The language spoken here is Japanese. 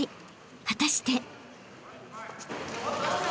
果たして］